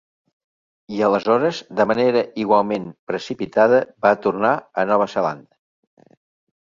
I aleshores, de manera igualment precipitada, va tornar a Nova Zelanda.